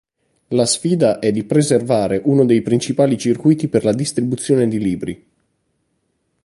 La sfida è di preservare uno dei principali circuiti per la distribuzione di libri.